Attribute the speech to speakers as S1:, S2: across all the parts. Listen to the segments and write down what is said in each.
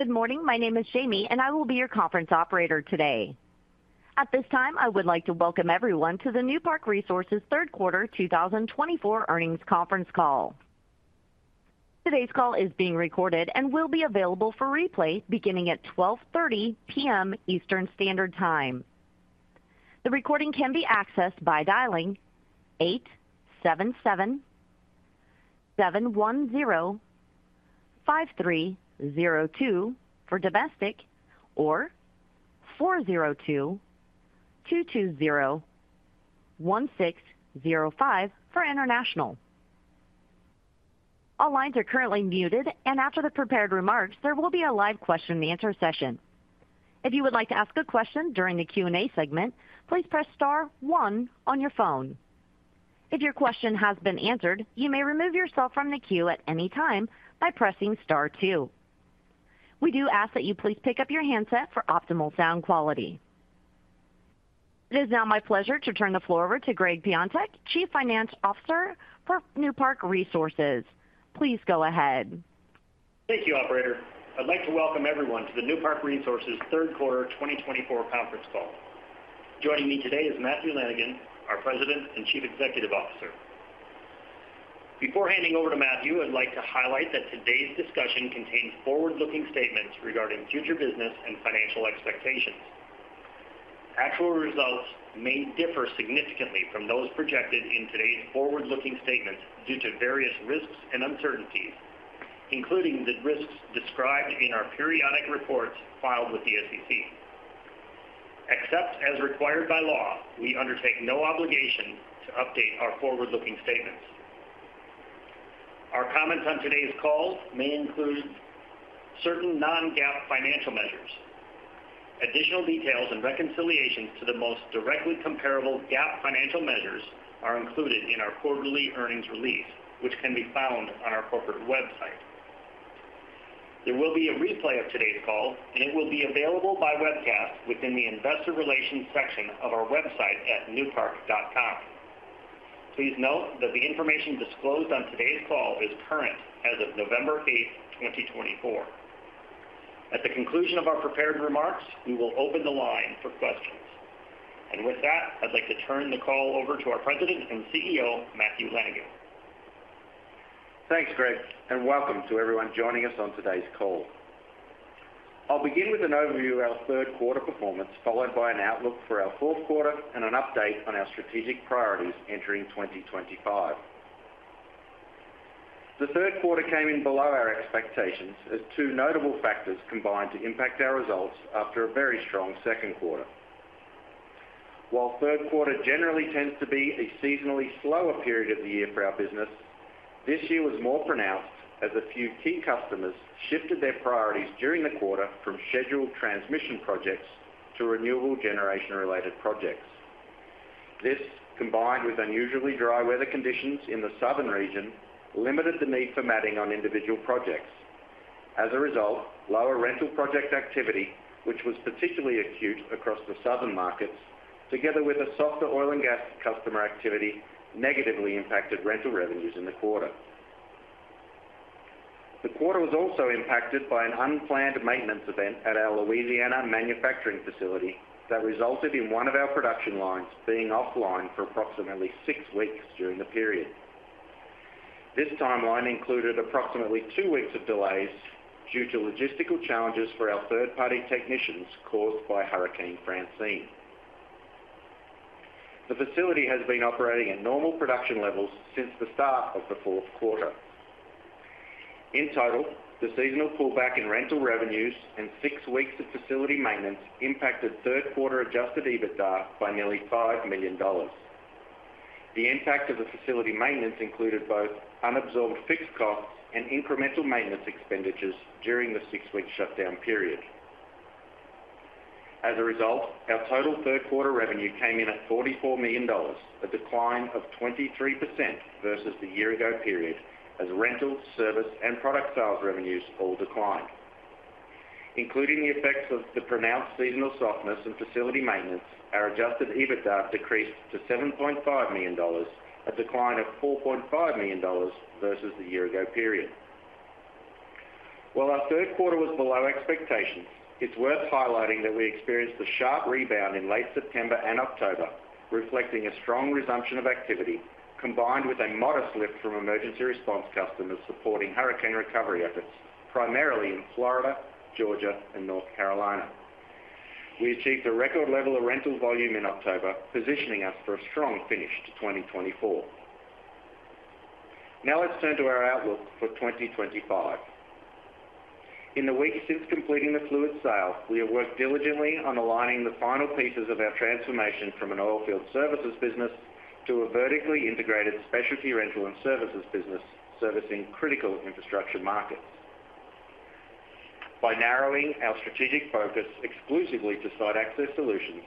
S1: Good morning. My name is Jamie, and I will be your conference operator today. At this time, I would like to welcome everyone to the Newpark Resources Third Quarter 2024 earnings conference call. Today's call is being recorded and will be available for replay beginning at 12:30 P.M. Eastern Standard Time. The recording can be accessed by dialing 877-710-5302 for domestic or 402-220-1605 for international. All lines are currently muted, and after the prepared remarks, there will be a live question-and-answer session. If you would like to ask a question during the Q&A segment, please press star one on your phone. If your question has been answered, you may remove yourself from the queue at any time by pressing star two. We do ask that you please pick up your handset for optimal sound quality. It is now my pleasure to turn the floor over to Gregg Piontek, Chief Financial Officer for Newpark Resources. Please go ahead.
S2: Thank you, Operator. I'd like to welcome everyone to the Newpark Resources Third Quarter 2024 conference call. Joining me today is Matthew Lanigan, our President and Chief Executive Officer. Before handing over to Matthew, I'd like to highlight that today's discussion contains forward-looking statements regarding future business and financial expectations. Actual results may differ significantly from those projected in today's forward-looking statements due to various risks and uncertainties, including the risks described in our periodic reports filed with the SEC. Except as required by law, we undertake no obligation to update our forward-looking statements. Our comments on today's call may include certain non-GAAP financial measures. Additional details and reconciliations to the most directly comparable GAAP financial measures are included in our quarterly earnings release, which can be found on our corporate website. There will be a replay of today's call, and it will be available by webcast within the investor relations section of our website at newpark.com. Please note that the information disclosed on today's call is current as of November 8th, 2024. At the conclusion of our prepared remarks, we will open the line for questions. And with that, I'd like to turn the call over to our President and CEO, Matthew Lanigan.
S3: Thanks, Gregg, and welcome to everyone joining us on today's call. I'll begin with an overview of our third quarter performance, followed by an outlook for our fourth quarter and an update on our strategic priorities entering 2025. The third quarter came in below our expectations as two notable factors combined to impact our results after a very strong second quarter. While third quarter generally tends to be a seasonally slower period of the year for our business, this year was more pronounced as a few key customers shifted their priorities during the quarter from scheduled transmission projects to renewable generation-related projects. This, combined with unusually dry weather conditions in the southern region, limited the need for matting on individual projects. As a result, lower rental project activity, which was particularly acute across the southern markets, together with a softer oil and gas customer activity, negatively impacted rental revenues in the quarter. The quarter was also impacted by an unplanned maintenance event at our Louisiana manufacturing facility that resulted in one of our production lines being offline for approximately six weeks during the period. This timeline included approximately two weeks of delays due to logistical challenges for our third-party technicians caused by Hurricane Francine. The facility has been operating at normal production levels since the start of the fourth quarter. In total, the seasonal pullback in rental revenues and six weeks of facility maintenance impacted third quarter Adjusted EBITDA by nearly $5 million. The impact of the facility maintenance included both unabsorbed fixed costs and incremental maintenance expenditures during the six-week shutdown period. As a result, our total third quarter revenue came in at $44 million, a decline of 23% versus the year-ago period, as rental, service, and product sales revenues all declined. Including the effects of the pronounced seasonal softness in facility maintenance, our adjusted EBITDA decreased to $7.5 million, a decline of $4.5 million versus the year-ago period. While our third quarter was below expectations, it's worth highlighting that we experienced a sharp rebound in late September and October, reflecting a strong resumption of activity combined with a modest lift from emergency response customers supporting hurricane recovery efforts, primarily in Florida, Georgia, and North Carolina. We achieved a record level of rental volume in October, positioning us for a strong finish to 2024. Now let's turn to our outlook for 2025. In the weeks since completing the Fluid sale, we have worked diligently on aligning the final pieces of our transformation from an oilfield services business to a vertically integrated specialty rental and services business servicing critical infrastructure markets. By narrowing our strategic focus exclusively to site-access solutions,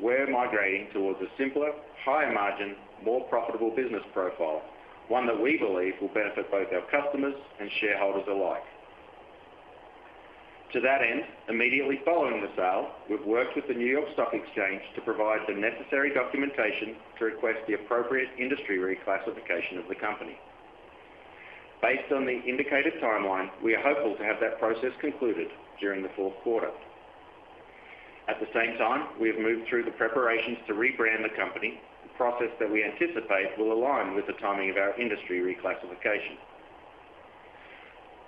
S3: we're migrating towards a simpler, higher-margin, more profitable business profile, one that we believe will benefit both our customers and shareholders alike. To that end, immediately following the sale, we've worked with the New York Stock Exchange to provide the necessary documentation to request the appropriate industry reclassification of the company. Based on the indicated timeline, we are hopeful to have that process concluded during the fourth quarter. At the same time, we have moved through the preparations to rebrand the company, a process that we anticipate will align with the timing of our industry reclassification.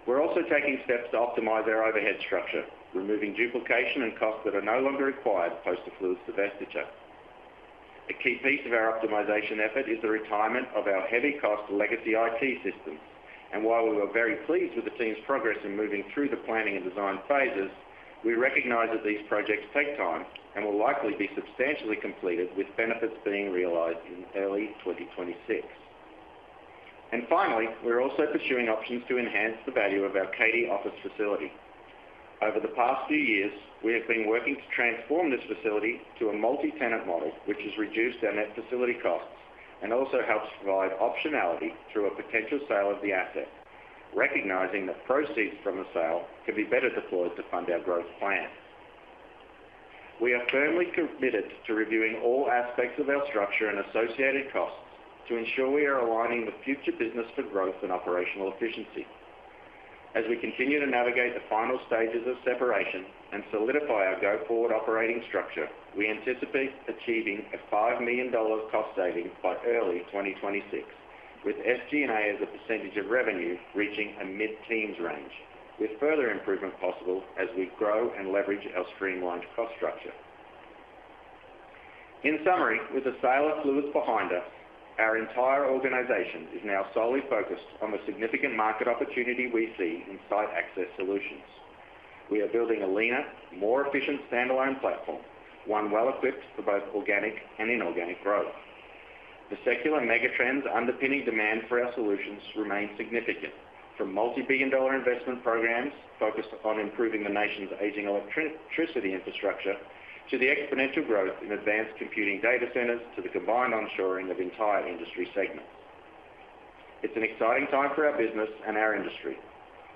S3: We're also taking steps to optimize our overhead structure, removing duplication and costs that are no longer required post the Fluids divestiture. A key piece of our optimization effort is the retirement of our high-cost legacy IT systems, and while we were very pleased with the team's progress in moving through the planning and design phases, we recognize that these projects take time and will likely be substantially completed, with benefits being realized in early 2026, and finally, we're also pursuing options to enhance the value of our Katy office facility. Over the past few years, we have been working to transform this facility to a multi-tenant model, which has reduced our net facility costs and also helps provide optionality through a potential sale of the asset, recognizing that proceeds from the sale can be better deployed to fund our growth plan. We are firmly committed to reviewing all aspects of our structure and associated costs to ensure we are aligning the future business for growth and operational efficiency. As we continue to navigate the final stages of separation and solidify our go-forward operating structure, we anticipate achieving a $5 million cost savings by early 2026, with SG&A as a percentage of revenue reaching a mid-teens range, with further improvement possible as we grow and leverage our streamlined cost structure. In summary, with the sale of Fluids behind us, our entire organization is now solely focused on the significant market opportunity we see in site-access solutions. We are building a leaner, more efficient standalone platform, one well-equipped for both organic and inorganic growth. The secular megatrends underpinning demand for our solutions remain significant, from multi-billion-dollar investment programs focused on improving the nation's aging electricity infrastructure to the exponential growth in advanced computing data centers to the combined onshoring of entire industry segments. It's an exciting time for our business and our industry,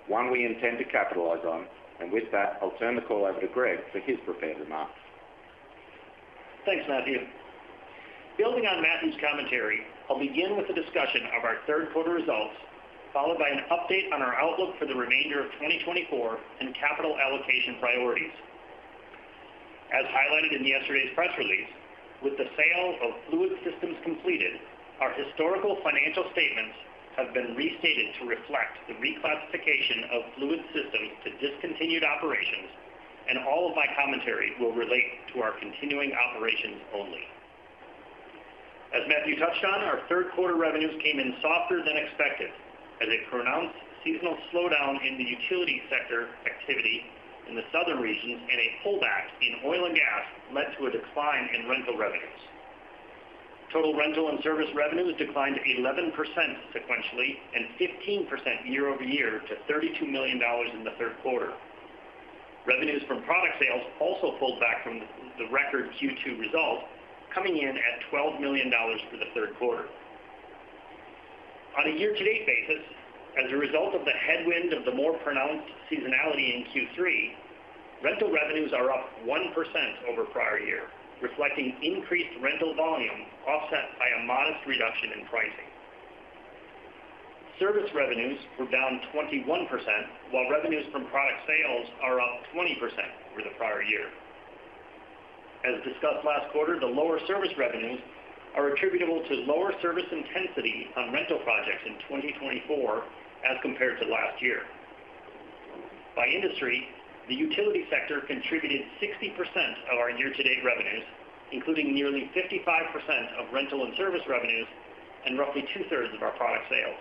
S3: one we intend to capitalize on. And with that, I'll turn the call over to Gregg for his prepared remarks.
S2: Thanks, Matthew. Building on Matthew's commentary, I'll begin with a discussion of our third quarter results, followed by an update on our outlook for the remainder of 2024 and capital allocation priorities. As highlighted in yesterday's press release, with the sale of Fluid Systems completed, our historical financial statements have been restated to reflect the reclassification of Fluid Systems to discontinued operations, and all of my commentary will relate to our continuing operations only. As Matthew touched on, our third quarter revenues came in softer than expected as a pronounced seasonal slowdown in the utility sector activity in the southern regions and a pullback in oil and gas led to a decline in rental revenues. Total rental and service revenues declined 11% sequentially and 15% year-over-year to $32 million in the third quarter. Revenues from product sales also pulled back from the record Q2 result, coming in at $12 million for the third quarter. On a year-to-date basis, as a result of the headwind of the more pronounced seasonality in Q3, rental revenues are up 1% over prior year, reflecting increased rental volume offset by a modest reduction in pricing. Service revenues were down 21%, while revenues from product sales are up 20% over the prior year. As discussed last quarter, the lower service revenues are attributable to lower service intensity on rental projects in 2024 as compared to last year. By industry, the utility sector contributed 60% of our year-to-date revenues, including nearly 55% of rental and service revenues and roughly two-thirds of our product sales.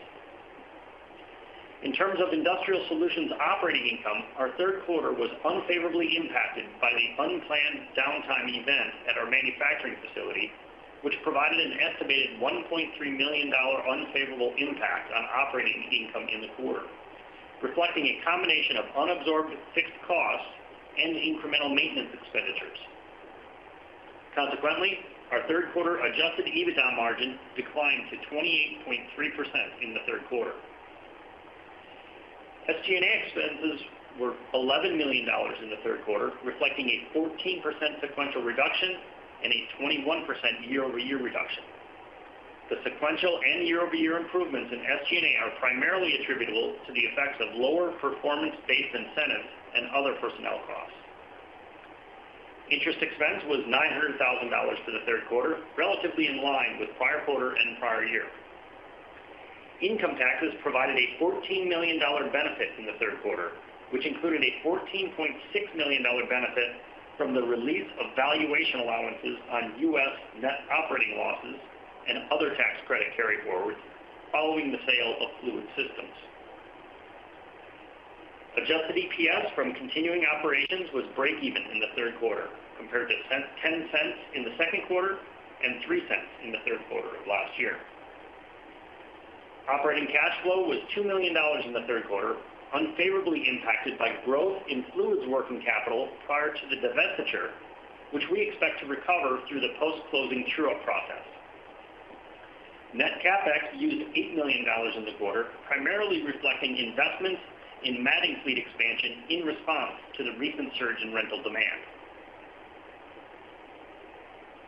S2: In terms of Industrial Solutions operating income, our third quarter was unfavorably impacted by the unplanned downtime event at our manufacturing facility, which provided an estimated $1.3 million unfavorable impact on operating income in the quarter, reflecting a combination of unabsorbed fixed costs and incremental maintenance expenditures. Consequently, our third quarter adjusted EBITDA margin declined to 28.3% in the third quarter. SG&A expenses were $11 million in the third quarter, reflecting a 14% sequential reduction and a 21% year-over-year reduction. The sequential and year-over-year improvements in SG&A are primarily attributable to the effects of lower performance-based incentives and other personnel costs. Interest expense was $900,000 for the third quarter, relatively in line with prior quarter and prior year. Income taxes provided a $14 million benefit in the third quarter, which included a $14.6 million benefit from the release of valuation allowances on U.S. Net operating losses and other tax credit carry forward following the sale of Fluid Systems. Adjusted EPS from continuing operations was break-even in the third quarter, compared to $0.10 in the second quarter and $0.03 in the third quarter of last year. Operating cash flow was $2 million in the third quarter, unfavorably impacted by growth in Fluids working capital prior to the divestiture, which we expect to recover through the post-closing true-up process. Net CapEx used $8 million in the quarter, primarily reflecting investments in matting fleet expansion in response to the recent surge in rental demand.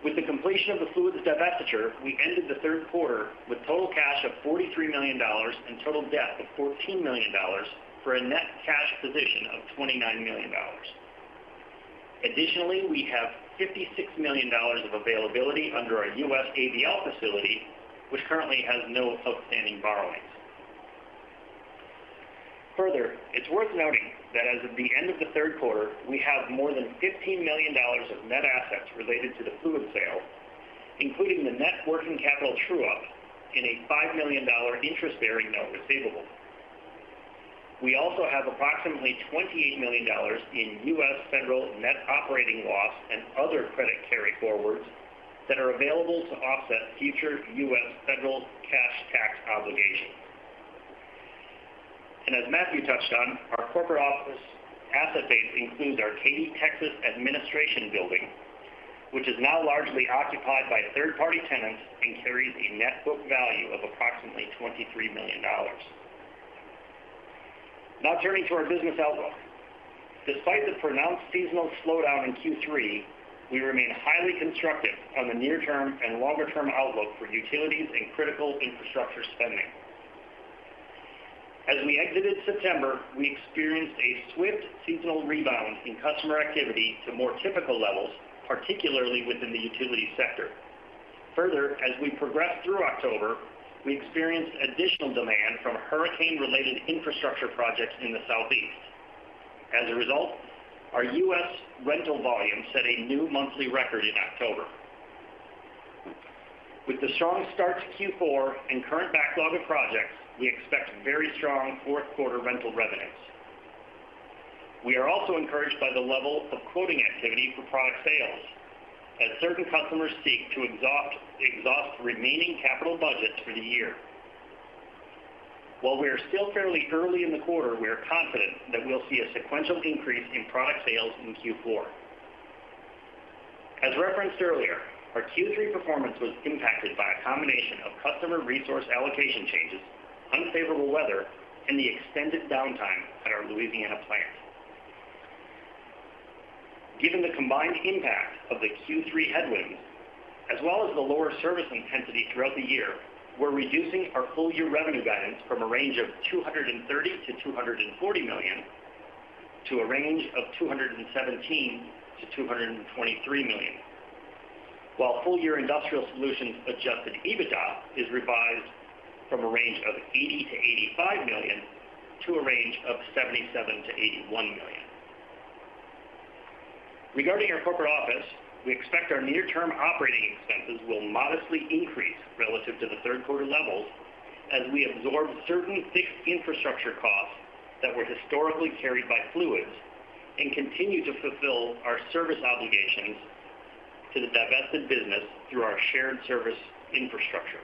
S2: With the completion of the Fluids divestiture, we ended the third quarter with total cash of $43 million and total debt of $14 million for a net cash position of $29 million. Additionally, we have $56 million of availability under our U.S. ABL facility, which currently has no outstanding borrowings. Further, it's worth noting that as of the end of the third quarter, we have more than $15 million of net assets related to the Fluid sale, including the net working capital true-up in a $5 million interest-bearing note receivable. We also have approximately $28 million in U.S. federal net operating loss and other credit carry forwards that are available to offset future U.S. federal cash tax obligations. And as Matthew touched on, our corporate office asset base includes our Katy, Texas, administration building, which is now largely occupied by third-party tenants and carries a net book value of approximately $23 million. Now turning to our business outlook. Despite the pronounced seasonal slowdown in Q3, we remain highly constructive on the near-term and longer-term outlook for utilities and critical infrastructure spending. As we exited September, we experienced a swift seasonal rebound in customer activity to more typical levels, particularly within the utility sector. Further, as we progressed through October, we experienced additional demand from hurricane-related infrastructure projects in the southeast. As a result, our U.S. rental volume set a new monthly record in October. With the strong start to Q4 and current backlog of projects, we expect very strong fourth-quarter rental revenues. We are also encouraged by the level of quoting activity for product sales, as certain customers seek to exhaust remaining capital budgets for the year. While we are still fairly early in the quarter, we are confident that we'll see a sequential increase in product sales in Q4. As referenced earlier, our Q3 performance was impacted by a combination of customer resource allocation changes, unfavorable weather, and the extended downtime at our Louisiana plant. Given the combined impact of the Q3 headwinds, as well as the lower service intensity throughout the year, we're reducing our full-year revenue guidance from a range of $230-$240 million to a range of $217-$223 million, while full-year Industrial Solutions Adjusted EBITDA is revised from a range of $80-$85 million to a range of $77-$81 million. Regarding our corporate office, we expect our near-term operating expenses will modestly increase relative to the third-quarter levels as we absorb certain fixed infrastructure costs that were historically carried by Fluids and continue to fulfill our service obligations to the divested business through our shared service infrastructure.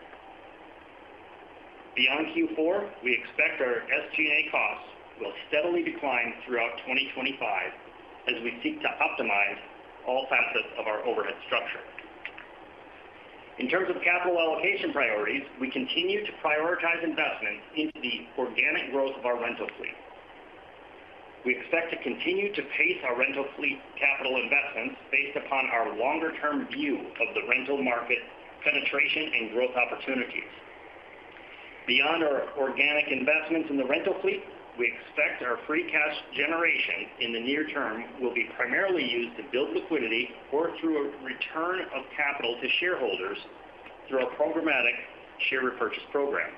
S2: Beyond Q4, we expect our SG&A costs will steadily decline throughout 2025 as we seek to optimize all facets of our overhead structure. In terms of capital allocation priorities, we continue to prioritize investments into the organic growth of our rental fleet. We expect to continue to pace our rental fleet capital investments based upon our longer-term view of the rental market penetration and growth opportunities. Beyond our organic investments in the rental fleet, we expect our free cash generation in the near term will be primarily used to build liquidity or through a return of capital to shareholders through our programmatic share repurchase program.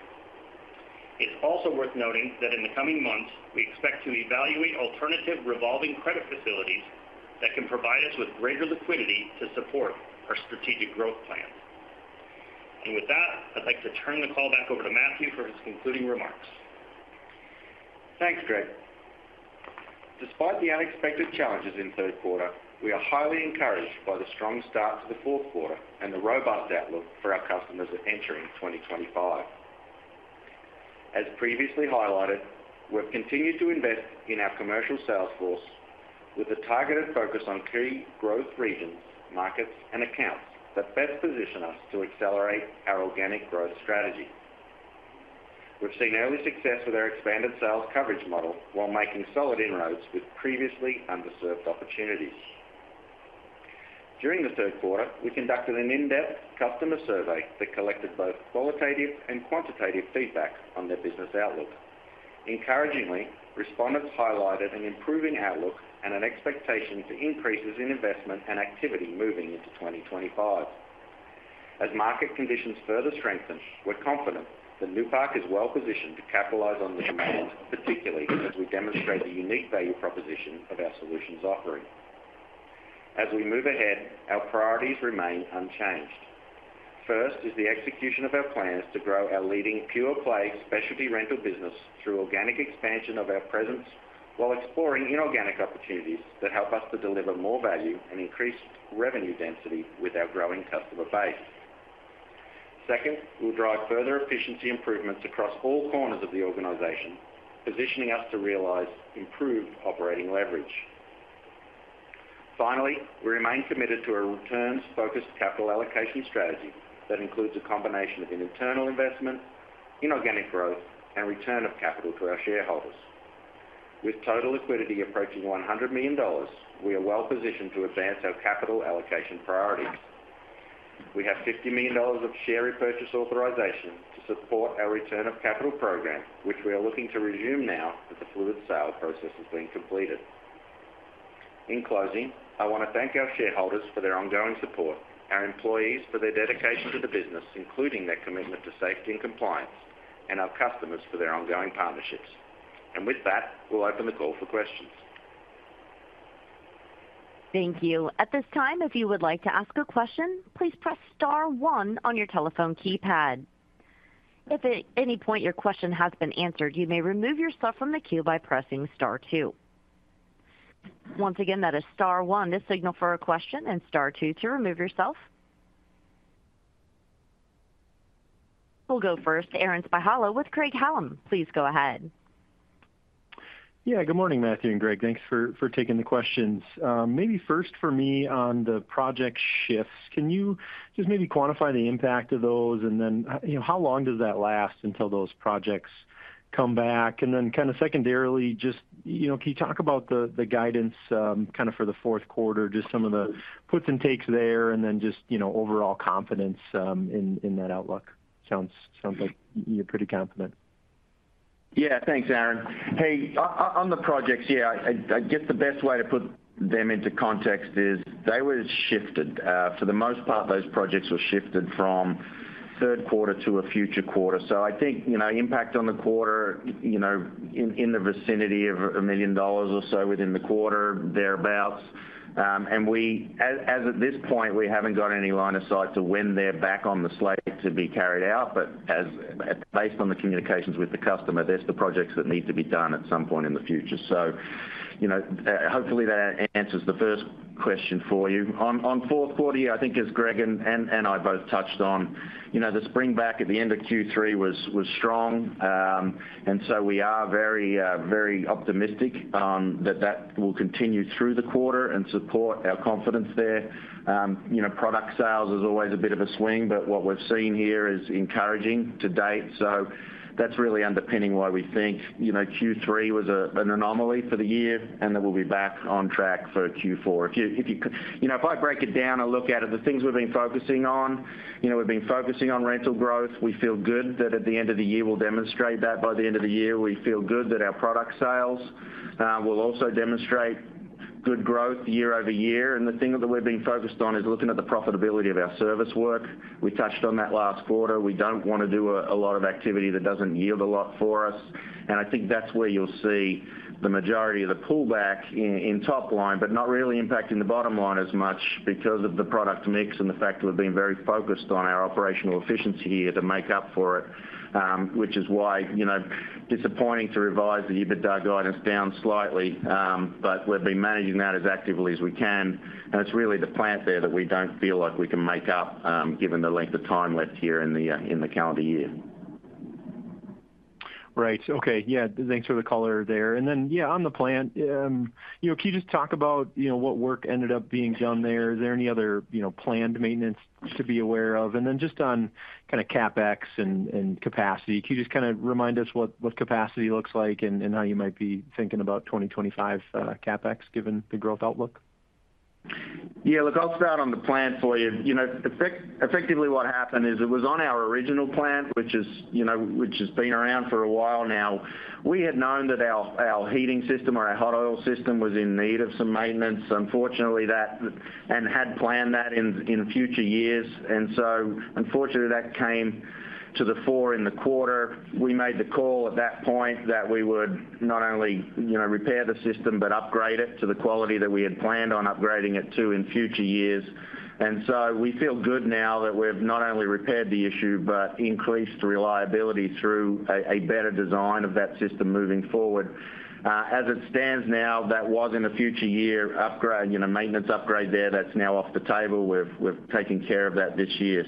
S2: It's also worth noting that in the coming months, we expect to evaluate alternative revolving credit facilities that can provide us with greater liquidity to support our strategic growth plan. And with that, I'd like to turn the call back over to Matthew for his concluding remarks. Thanks, Gregg. Despite the unexpected challenges in third quarter, we are highly encouraged by the strong start to the fourth quarter and the robust outlook for our customers entering 2025. As previously highlighted, we've continued to invest in our commercial sales force with a targeted focus on key growth regions, markets, and accounts that best position us to accelerate our organic growth strategy. We've seen early success with our expanded sales coverage model while making solid inroads with previously underserved opportunities. During the third quarter, we conducted an in-depth customer survey that collected both qualitative and quantitative feedback on their business outlook. Encouragingly, respondents highlighted an improving outlook and an expectation for increases in investment and activity moving into 2025. As market conditions further strengthen, we're confident that Newpark is well-positioned to capitalize on the demand, particularly as we demonstrate the unique value proposition of our solutions offering. As we move ahead, our priorities remain unchanged. First is the execution of our plans to grow our leading pure-play specialty rental business through organic expansion of our presence while exploring inorganic opportunities that help us to deliver more value and increase revenue density with our growing customer base. Second, we'll drive further efficiency improvements across all corners of the organization, positioning us to realize improved operating leverage. Finally, we remain committed to a returns-focused capital allocation strategy that includes a combination of internal investment, inorganic growth, and return of capital to our shareholders. With total liquidity approaching $100 million, we are well-positioned to advance our capital allocation priorities. We have $50 million of share repurchase authorization to support our return of capital program, which we are looking to resume now that the Fluid sale process has been completed. In closing, I want to thank our shareholders for their ongoing support, our employees for their dedication to the business, including their commitment to safety and compliance, and our customers for their ongoing partnerships, and with that, we'll open the call for questions.
S1: Thank you. At this time, if you would like to ask a question, please press Star 1 on your telephone keypad. If at any point your question has been answered, you may remove yourself from the queue by pressing Star 2. Once again, that is Star 1 to signal for a question and Star 2 to remove yourself. We'll go first to Aaron Spychalla with Craig-Hallum. Please go ahead.
S4: Yeah, good morning, Matthew and Gregg. Thanks for taking the questions. Maybe first for me on the project shifts, can you just maybe quantify the impact of those and then how long does that last until those projects come back? And then kind of secondarily, just can you talk about the guidance kind of for the fourth quarter, just some of the puts and takes there and then just overall confidence in that outlook? Sounds like you're pretty confident.
S2: Yeah, thanks, Aaron. Hey, on the projects, yeah, I guess the best way to put them into context is they were shifted. For the most part, those projects were shifted from third quarter to a future quarter. So I think impact on the quarter in the vicinity of $1 million or so within the quarter, thereabouts. And as at this point, we haven't got any line of sight to when they're back on the slate to be carried out, but based on the communications with the customer, there's the projects that need to be done at some point in the future. So hopefully that answers the first question for you. On fourth quarter, yeah, I think as Gregg and I both touched on, the spring back at the end of Q3 was strong. And so we are very optimistic that that will continue through the quarter and support our confidence there. Product sales is always a bit of a swing, but what we've seen here is encouraging to date. So that's really underpinning why we think Q3 was an anomaly for the year and that we'll be back on track for Q4. If I break it down, I look at it, the things we've been focusing on, we've been focusing on rental growth. We feel good that at the end of the year, we'll demonstrate that by the end of the year. We feel good that our product sales will also demonstrate good growth year over year. And the thing that we've been focused on is looking at the profitability of our service work. We touched on that last quarter. We don't want to do a lot of activity that doesn't yield a lot for us. And I think that's where you'll see the majority of the pullback in top line, but not really impacting the bottom line as much because of the product mix and the fact that we've been very focused on our operational efficiency here to make up for it, which is why disappointing to revise the EBITDA guidance down slightly, but we've been managing that as actively as we can. And it's really the plan there that we don't feel like we can make up given the length of time left here in the calendar year.
S4: Right. Okay. Yeah. Thanks for the color there. And then, yeah, on the plant, can you just talk about what work ended up being done there? Is there any other planned maintenance to be aware of? And then just on kind of CapEx and capacity, can you just kind of remind us what capacity looks like and how you might be thinking about 2025 CapEx given the growth outlook?
S2: Yeah. Look, I'll start on the plant for you. Effectively, what happened is it was on our original plant, which has been around for a while now. We had known that our heating system or our hot oil system was in need of some maintenance, unfortunately, and had planned that in future years. And so, unfortunately, that came to the fore in the quarter. We made the call at that point that we would not only repair the system, but upgrade it to the quality that we had planned on upgrading it to in future years. And so we feel good now that we've not only repaired the issue, but increased reliability through a better design of that system moving forward. As it stands now, that was in a future year maintenance upgrade there that's now off the table. We've taken care of that this year.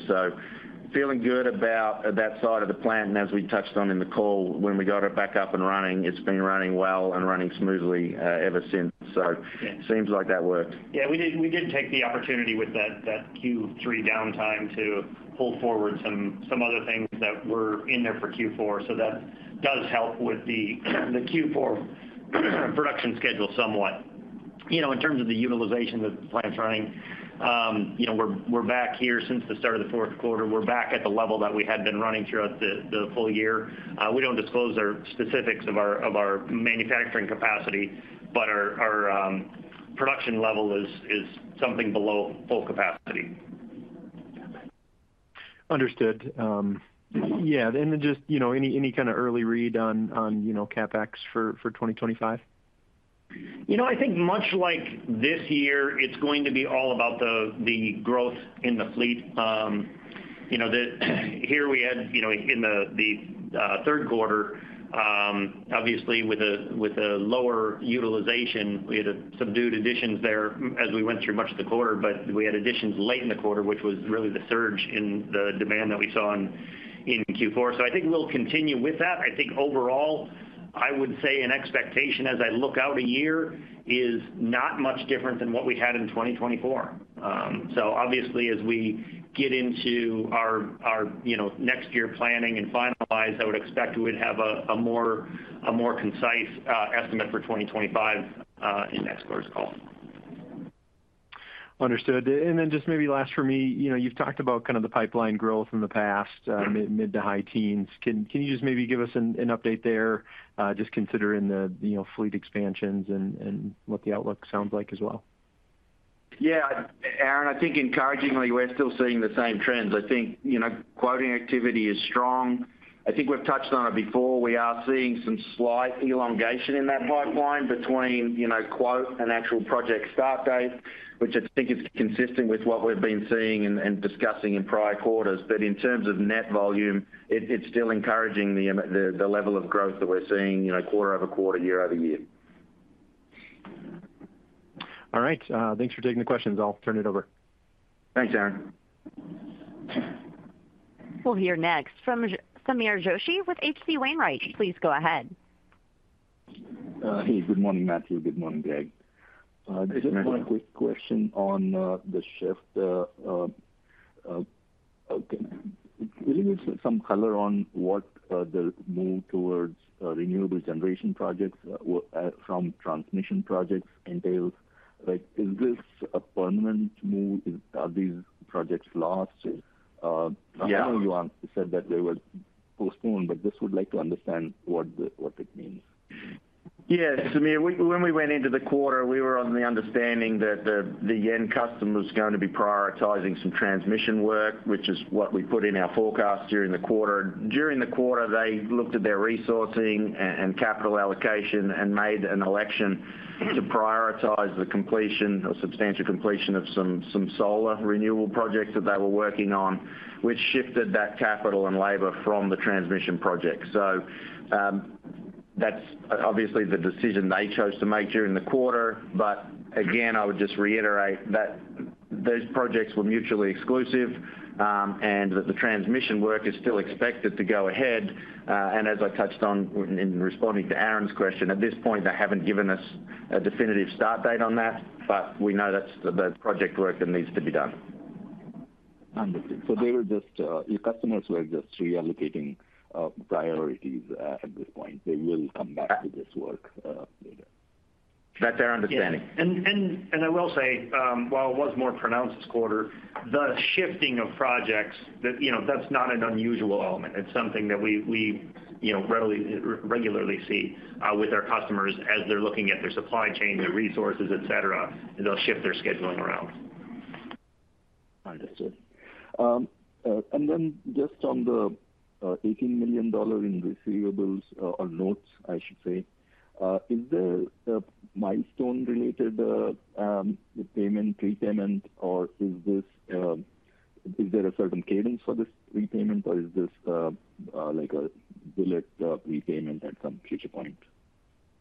S2: So feeling good about that side of the plant. And as we touched on in the call, when we got it back up and running, it's been running well and running smoothly ever since. So it seems like that worked.
S3: Yeah. We did take the opportunity with that Q3 downtime to pull forward some other things that were in there for Q4. So that does help with the Q4 production schedule somewhat. In terms of the utilization of the plant's running, we're back here since the start of the fourth quarter. We're back at the level that we had been running throughout the full year. We don't disclose our specifics of our manufacturing capacity, but our production level is something below full capacity.
S4: Understood. Yeah, and then just any kind of early read on CapEx for 2025?
S3: I think much like this year, it's going to be all about the growth in the fleet. Here we had in the third quarter, obviously, with a lower utilization, we had subdued additions there as we went through much of the quarter, but we had additions late in the quarter, which was really the surge in the demand that we saw in Q4. So I think we'll continue with that. I think overall, I would say an expectation as I look out a year is not much different than what we had in 2024. So obviously, as we get into our next year planning and finalize, I would expect we would have a more concise estimate for 2025 in that scorecard.
S4: Understood. And then just maybe last for me, you've talked about kind of the pipeline growth in the past, mid to high teens. Can you just maybe give us an update there, just considering the fleet expansions and what the outlook sounds like as well?
S2: Yeah. Aaron, I think encouragingly, we're still seeing the same trends. I think quoting activity is strong. I think we've touched on it before. We are seeing some slight elongation in that pipeline between quote and actual project start date, which I think is consistent with what we've been seeing and discussing in prior quarters. But in terms of net volume, it's still encouraging the level of growth that we're seeing quarter over quarter, year over year.
S4: All right. Thanks for taking the questions. I'll turn it over.
S2: Thanks, Aaron.
S1: We'll hear next from Samir Joshi with H.C. Wainwright. Please go ahead.
S5: Hey, good morning, Matthew. Good morning, Gregg. Just a quick question on the shift. Can you give us some color on what the move towards renewable generation projects from transmission projects entails? Is this a permanent move? Are these projects lost? I know you said that they were postponed, but just would like to understand what it means.
S2: Yeah. Samir, when we went into the quarter, we were on the understanding that the end customer was going to be prioritizing some transmission work, which is what we put in our forecast during the quarter. During the quarter, they looked at their resourcing and capital allocation and made an election to prioritize the completion or substantial completion of some solar renewable projects that they were working on, which shifted that capital and labor from the transmission project. So that's obviously the decision they chose to make during the quarter. But again, I would just reiterate that those projects were mutually exclusive and that the transmission work is still expected to go ahead. And as I touched on in responding to Aaron's question, at this point, they haven't given us a definitive start date on that, but we know that's the project work that needs to be done.
S5: Understood. So your customers were just reallocating priorities at this point. They will come back to this work later.
S2: That's our understanding.
S3: I will say, while it was more pronounced this quarter, the shifting of projects, that's not an unusual element. It's something that we regularly see with our customers as they're looking at their supply chain, their resources, etc., and they'll shift their scheduling around.
S5: Understood. And then just on the $18 million in receivables or notes, I should say, is there a milestone related payment, repayment, or is there a certain cadence for this repayment, or is this like a bullet repayment at some future point?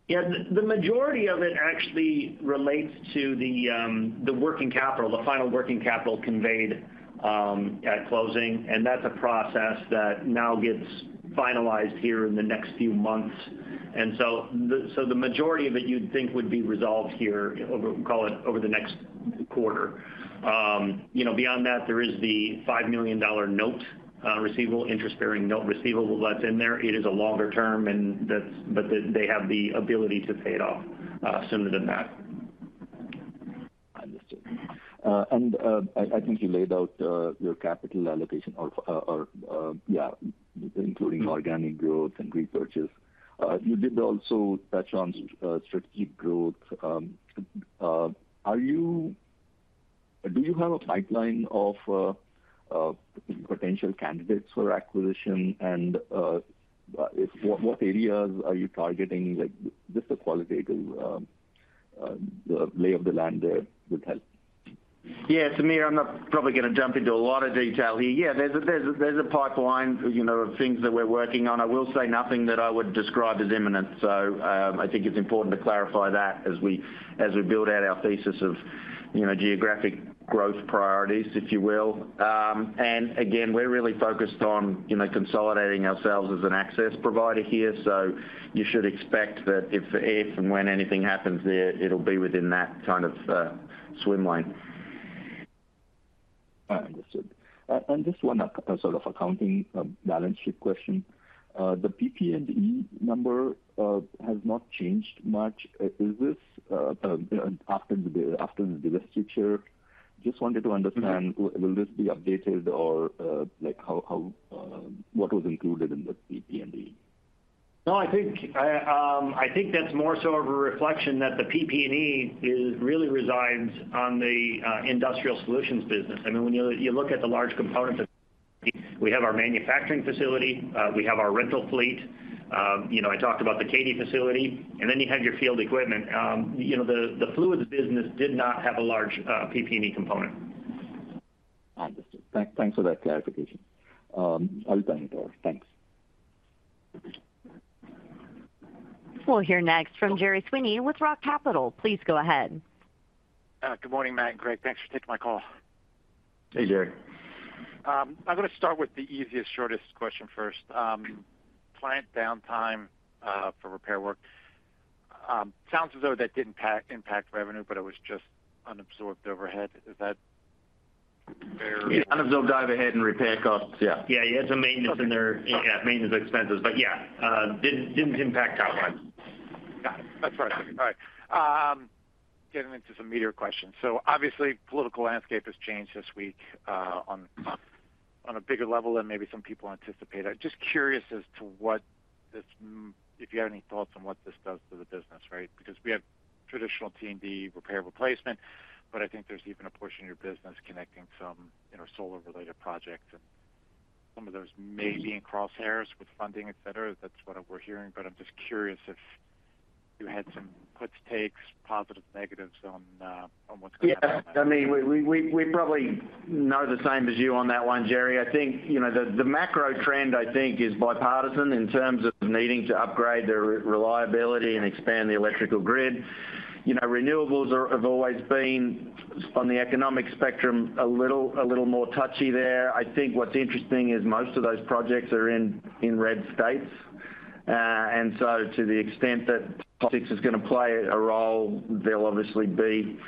S3: Yeah. The majority of it actually relates to the working capital, the final working capital conveyed at closing. And that's a process that now gets finalized here in the next few months. And so the majority of it you'd think would be resolved here, call it over the next quarter. Beyond that, there is the $5 million note receivable, interest-bearing note receivable that's in there. It is a longer term, but they have the ability to pay it off sooner than that.
S5: Understood. And I think you laid out your capital allocation or, yeah, including organic growth and repurchase. You did also touch on strategic growth. Do you have a pipeline of potential candidates for acquisition, and what areas are you targeting? Just the qualitative lay of the land there would help.
S2: Yeah. Samir, I'm not probably going to jump into a lot of detail here. Yeah, there's a pipeline of things that we're working on. I will say nothing that I would describe as imminent. So I think it's important to clarify that as we build out our thesis of geographic growth priorities, if you will. And again, we're really focused on consolidating ourselves as an access provider here. So you should expect that if and when anything happens there, it'll be within that kind of swim lane.
S5: Understood. And just one sort of accounting balance sheet question. The PP&E number has not changed much. Is this after the divestiture? Just wanted to understand, will this be updated, or what was included in the PP&E?
S3: No, I think that's more so of a reflection that the PP&E really resides on the industrial solutions business. I mean, when you look at the large components, we have our manufacturing facility. We have our rental fleet. I talked about the Katy facility. And then you have your field equipment. The Fluids business did not have a large PP&E component.
S5: Understood. Thanks for that clarification. I'll turn it over. Thanks.
S1: We'll hear next from Gerry Sweeney with Roth Capital. Please go ahead.
S6: Good morning, Matt and Gregg. Thanks for taking my call.
S3: Hey, Gerry.
S6: I'm going to start with the easiest, shortest question first. Client downtime for repair work. Sounds as though that didn't impact revenue, but it was just unabsorbed overhead. Is that fair?
S2: Unabsorbed overhead and repair costs, yeah.
S3: Yeah. You had some maintenance in there. Yeah. Maintenance expenses. But yeah, didn't impact top line.
S6: Got it. That's right. All right. Getting into some meatier questions, so obviously, political landscape has changed this week on a bigger level than maybe some people anticipated. Just curious as to if you have any thoughts on what this does to the business, right? Because we have traditional T&D, repair, replacement, but I think there's even a portion of your business connecting some solar-related projects, and some of those may be in crosshairs with funding, etc. That's what we're hearing, but I'm just curious if you had some puts, takes, positives, negatives on what's going on.
S2: I mean, we probably know the same as you on that one, Gerry. I think the macro trend, I think, is bipartisan in terms of needing to upgrade their reliability and expand the electrical grid. Renewables have always been, on the economic spectrum, a little more touchy there. I think what's interesting is most of those projects are in red states. And so to the extent that politics is going to play a role, there'll obviously be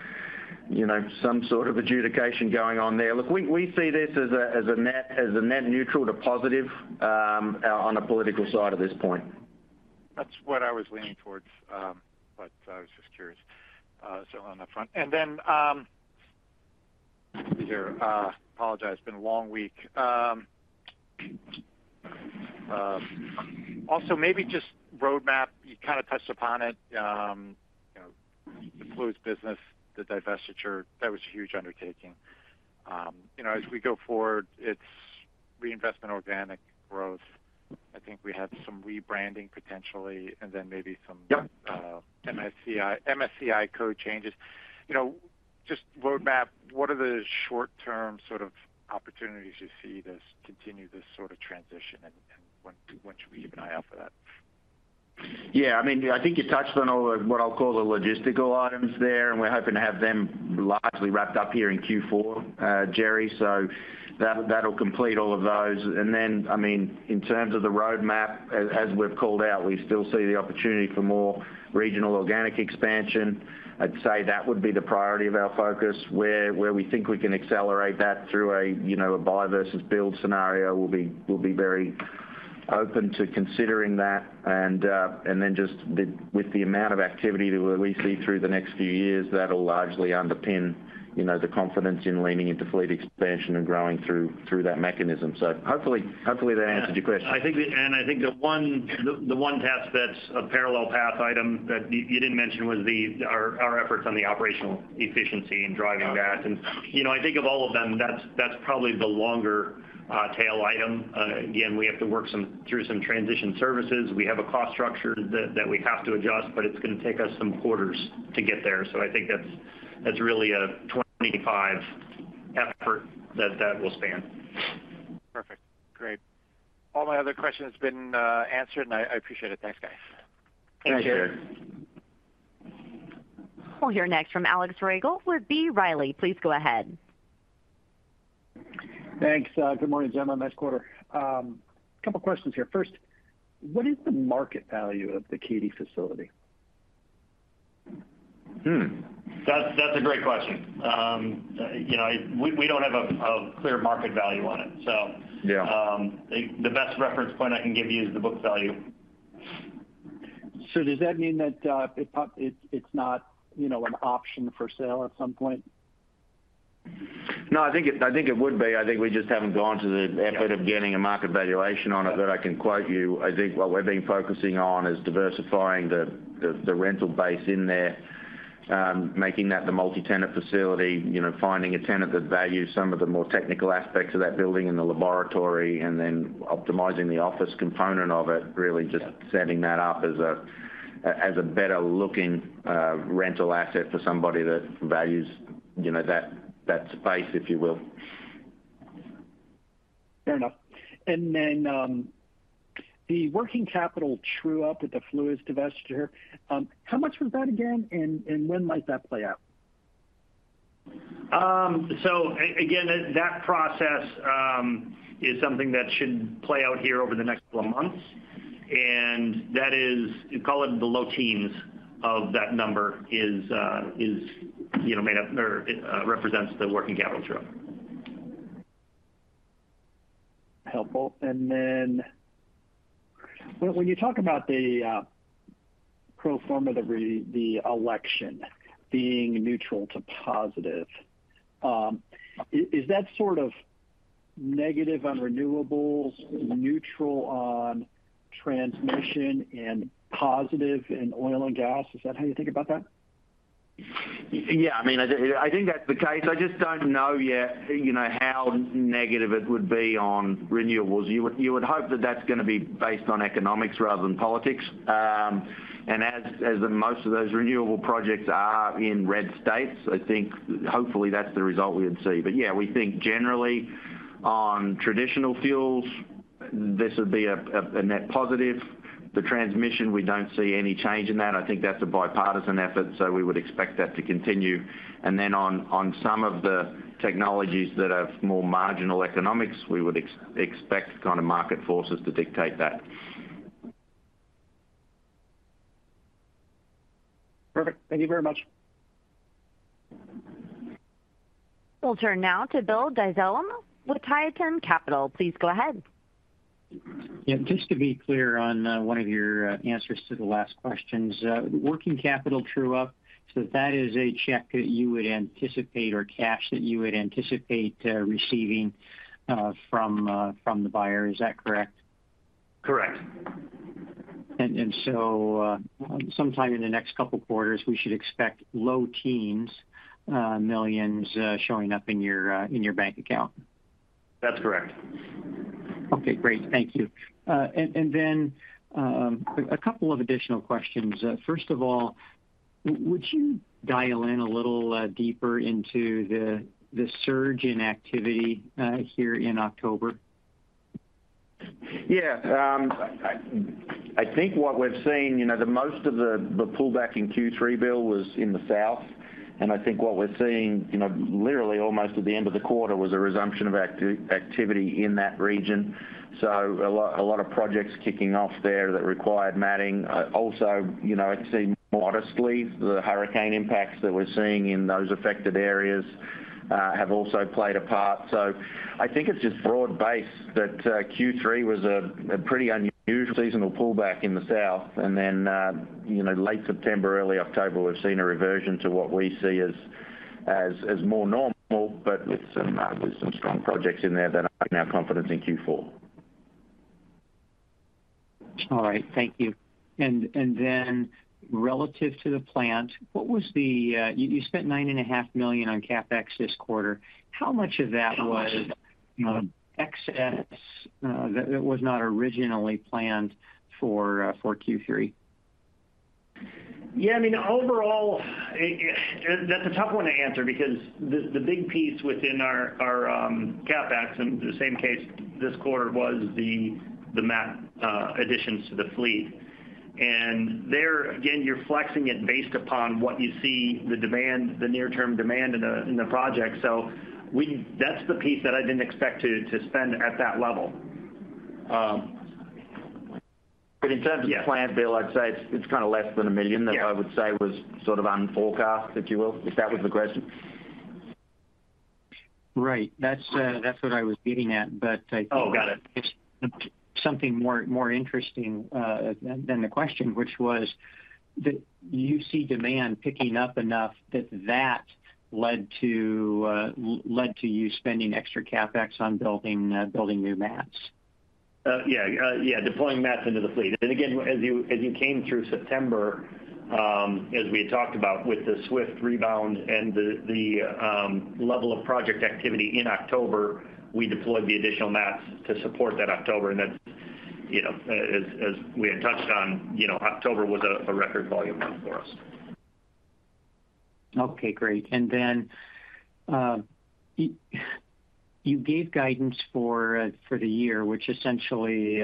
S2: some sort of adjudication going on there. Look, we see this as a net neutral to positive on the political side at this point.
S6: That's what I was leaning towards, but I was just curious, so on that front, and then I apologize. It's been a long week. Also, maybe just roadmap. You kind of touched upon it. The Fluids business, the divestiture, that was a huge undertaking. As we go forward, it's reinvestment, organic growth. I think we have some rebranding potentially, and then maybe some MSCI code changes. Just roadmap, what are the short-term sort of opportunities you see to continue this sort of transition, and when should we keep an eye out for that?
S2: Yeah. I mean, I think you touched on all of what I'll call the logistical items there, and we're hoping to have them largely wrapped up here in Q4, Gerry. So that'll complete all of those. And then, I mean, in terms of the roadmap, as we've called out, we still see the opportunity for more regional organic expansion. I'd say that would be the priority of our focus. Where we think we can accelerate that through a buy versus build scenario, we'll be very open to considering that. And then just with the amount of activity that we see through the next few years, that'll largely underpin the confidence in leaning into fleet expansion and growing through that mechanism. So hopefully, that answered your question.
S3: And I think the one task that's a parallel path item that you didn't mention was our efforts on the operational efficiency and driving that. And I think of all of them, that's probably the longer tail item. Again, we have to work through some transition services. We have a cost structure that we have to adjust, but it's going to take us some quarters to get there. So I think that's really a 2025 effort that will span.
S6: Perfect. Great. All my other questions have been answered, and I appreciate it. Thanks, guys.
S2: Thanks, Jerry.
S1: We'll hear next from Alex Rygiel with B. Riley. Please go ahead.
S7: Thanks. Good morning, gentlemen. Next quarter. A couple of questions here. First, what is the market value of the Katy facility?
S3: That's a great question. We don't have a clear market value on it. So the best reference point I can give you is the book value.
S7: So does that mean that it's not an option for sale at some point?
S2: No, I think it would be. I think we just haven't gone to the effort of getting a market valuation on it that I can quote you. I think what we've been focusing on is diversifying the rental base in there, making that the multi-tenant facility, finding a tenant that values some of the more technical aspects of that building and the laboratory, and then optimizing the office component of it, really just setting that up as a better-looking rental asset for somebody that values that space, if you will.
S7: Fair enough. And then the working capital true-up with the Fluids divestiture, how much was that again, and when might that play out?
S3: So again, that process is something that should play out here over the next couple of months. And we call it the low teens of that number is made up or represents the working capital true.
S7: Helpful. And then when you talk about the pro forma of the election being neutral to positive, is that sort of negative on renewables, neutral on transmission, and positive in oil and gas? Is that how you think about that?
S2: Yeah. I mean, I think that's the case. I just don't know yet how negative it would be on renewables. You would hope that that's going to be based on economics rather than politics. And as most of those renewable projects are in red states, I think hopefully that's the result we would see. But yeah, we think generally on traditional fuels, this would be a net positive. The transmission, we don't see any change in that. I think that's a bipartisan effort, so we would expect that to continue. And then on some of the technologies that have more marginal economics, we would expect kind of market forces to dictate that.
S7: Perfect. Thank you very much.
S1: We'll turn now to Bill Dezellem with Tieton Capital. Please go ahead.
S8: Yeah. Just to be clear on one of your answers to the last questions, working capital true-up, so that is a check that you would anticipate or cash that you would anticipate receiving from the buyer. Is that correct?
S2: Correct.
S8: Sometime in the next couple of quarters, we should expect low teens millions showing up in your bank account.
S2: That's correct.
S8: Okay. Great. Thank you. And then a couple of additional questions. First of all, would you dial in a little deeper into the surge in activity here in October?
S2: Yeah. I think what we've seen, most of the pullback in Q3, Bill, was in the south. And I think what we're seeing literally almost at the end of the quarter was a resumption of activity in that region. So a lot of projects kicking off there that required matting. Also, I'd say modestly, the hurricane impacts that we're seeing in those affected areas have also played a part. So I think it's just broad base that Q3 was a pretty unusual seasonal pullback in the south. And then late September, early October, we've seen a reversion to what we see as more normal, but with some strong projects in there that are now confident in Q4.
S8: All right. Thank you. And then relative to the plant, what was that you spent $9.5 million on CapEx this quarter? How much of that was excess that was not originally planned for Q3?
S3: Yeah. I mean, overall, that's a tough one to answer because the big piece within our CapEx, in the same case this quarter, was the mat additions to the fleet. And there, again, you're flexing it based upon what you see, the near-term demand in the project. So that's the piece that I didn't expect to spend at that level. But in terms of plant build, I'd say it's kind of less than a million that I would say was sort of unforecast, if you will, if that was the question.
S8: Right. That's what I was getting at. But I think.
S2: Oh, got it.
S8: Something more interesting than the question, which was that you see demand picking up enough that that led to you spending extra CapEx on building new mats?
S2: Yeah. Yeah. Deploying mat into the fleet. And again, as you came through September, as we had talked about with the swift rebound and the level of project activity in October, we deployed the additional mats to support that October. And as we had touched on, October was a record volume month for us.
S8: Okay. Great. And then you gave guidance for the year, which essentially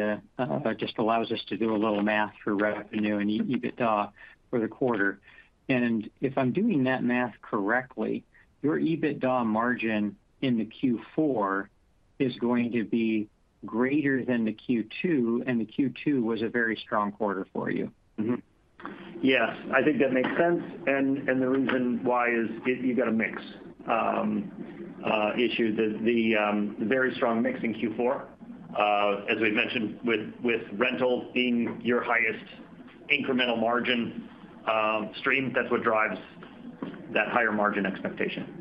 S8: just allows us to do a little math for revenue and EBITDA for the quarter. And if I'm doing that math correctly, your EBITDA margin in the Q4 is going to be greater than the Q2, and the Q2 was a very strong quarter for you.
S2: Yes. I think that makes sense. And the reason why is you've got a mix issue. The very strong mix in Q4, as we've mentioned, with rental being your highest incremental margin stream, that's what drives that higher margin expectation.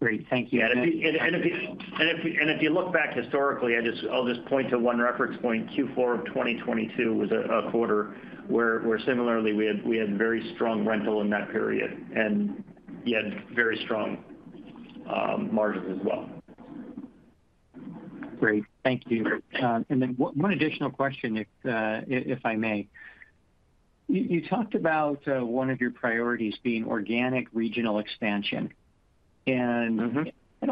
S8: Great. Thank you.
S2: And if you look back historically, I'll just point to one reference point. Q4 of 2022 was a quarter where similarly, we had very strong rental in that period, and you had very strong margins as well.
S8: Great. Thank you. And then one additional question, if I may. You talked about one of your priorities being organic regional expansion. And I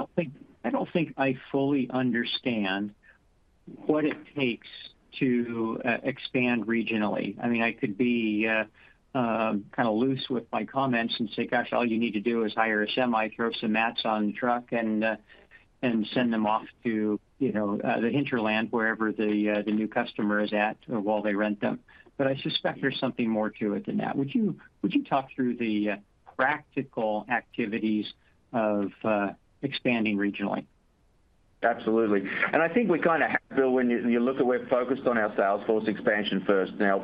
S8: don't think I fully understand what it takes to expand regionally. I mean, I could be kind of loose with my comments and say, "Gosh, all you need to do is hire a semi, throw some mats on the truck, and send them off to the hinterland wherever the new customer is at while they rent them." But I suspect there's something more to it than that. Would you talk through the practical activities of expanding regionally?
S2: Absolutely. And I think we kind of have, Bill, when you look at where we're focused on our sales force expansion first. Now,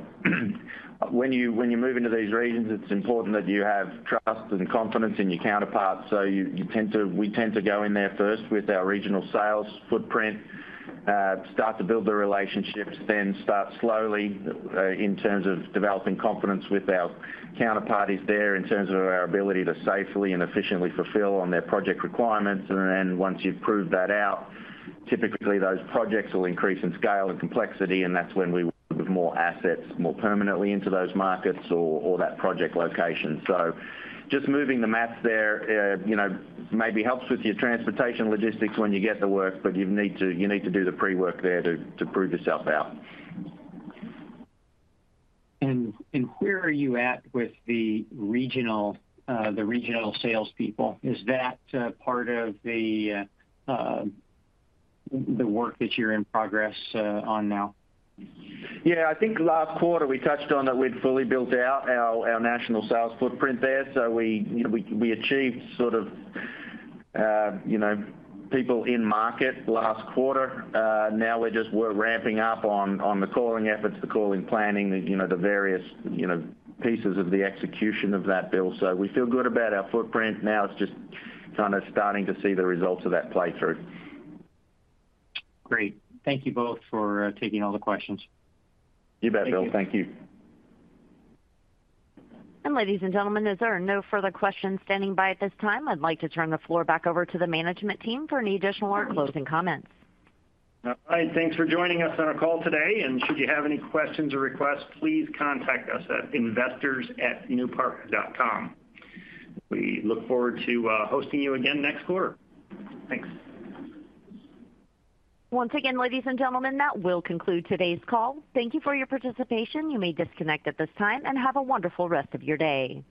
S2: when you move into these regions, it's important that you have trust and confidence in your counterparts. So we tend to go in there first with our regional sales footprint, start to build the relationships, then start slowly in terms of developing confidence with our counterparties there in terms of our ability to safely and efficiently fulfill on their project requirements. And then once you've proved that out, typically those projects will increase in scale and complexity, and that's when we will move more assets more permanently into those markets or that project location. So just moving the mats there maybe helps with your transportation logistics when you get the work, but you need to do the pre-work there to prove yourself out.
S8: Where are you at with the regional salespeople? Is that part of the work that you're in progress on now?
S2: Yeah. I think last quarter, we touched on that we'd fully built out our national sales footprint there. So we achieved sort of people in market last quarter. Now we're just ramping up on the calling efforts, the calling planning, the various pieces of the execution of that, Bill. So we feel good about our footprint. Now it's just kind of starting to see the results of that playthrough.
S8: Great. Thank you both for taking all the questions.
S2: You bet, Bill. Thank you.
S1: Ladies and gentlemen, if there are no further questions standing by at this time, I'd like to turn the floor back over to the management team for any additional or closing comments.
S3: All right. Thanks for joining us on our call today. And should you have any questions or requests, please contact us at investors@newpark.com. We look forward to hosting you again next quarter. Thanks.
S1: Once again, ladies and gentlemen, that will conclude today's call. Thank you for your participation. You may disconnect at this time and have a wonderful rest of your day.